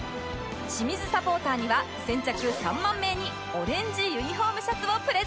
清水サポーターには先着３万名にオレンジユニフォームシャツをプレゼント！